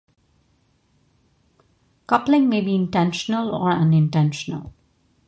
Coupling may be intentional or unintentional.